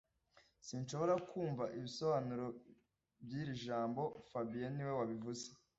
Sinshobora kumva ibisobanuro by'iri jambo fabien niwe wabivuze